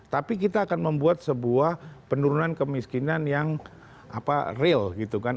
tapi kita akan membuat sebuah penurunan kemiskinan yang real gitu kan